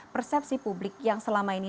persepsi publik yang selama ini